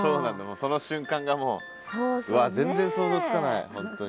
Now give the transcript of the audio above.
その瞬間がもううわっ全然想像つかない本当に。